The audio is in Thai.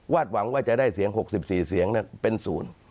วาดหวังว่าจะได้เสียง๖๔เสียงเป็น๐